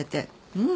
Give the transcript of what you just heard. うん。